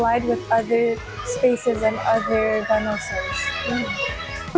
ini lebih terorganisasi dan ruang lainnya juga